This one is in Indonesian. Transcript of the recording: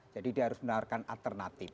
jadi dia harus menaruhkan alternatif